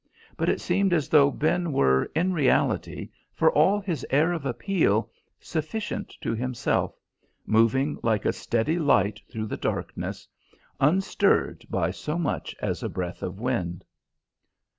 But it seemed as though Ben were, in reality, for all his air of appeal, sufficient to himself, moving like a steady light through the darkness; unstirred by so much as a breath of wind.